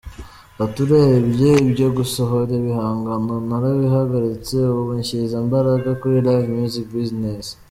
Ati “ Urebye ibyo gusohora ibihangano narabihagaritse, ubu nshyize imbaraga kuri live music business.